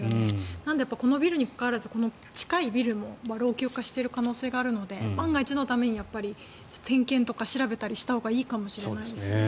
なのでこのビルに関わらず近いビルも老朽化している可能性があるので万が一のために点検とか調べたりしたほうがいいかもしれないですね。